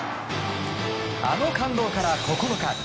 あの感動から９日。